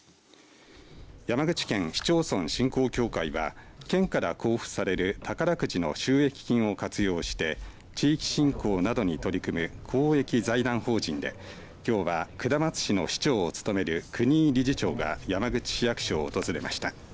山口県市町村振興協会は県から交付される宝くじの収益金を活用して地域振興などに取り組む公益財団法人できょうは下松市の市長を務める国井理事長が山口市役所を訪れました。